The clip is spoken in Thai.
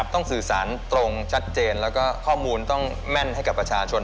ต้องสื่อสารตรงชัดเจนและข้อมูลแม่นให้กับประชาชน